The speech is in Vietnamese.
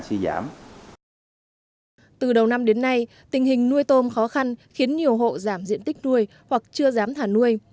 từ đầu năm đến nay tình hình nuôi tôm khó khăn khiến nhiều hộ giảm diện tích nuôi hoặc chưa dám thả nuôi